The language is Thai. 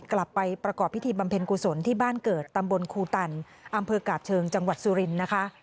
กลับไปประกอบพิธีบำเพ็ญกุศลที่บ้านเกิดตำบลครูตันอำเภอกาบเชิงจังหวัดสุรินทร์นะคะ